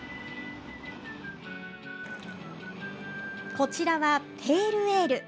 こちらは、ペールエール。